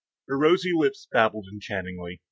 Her rosy lips babbled enchantingly.